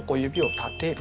あ立てる。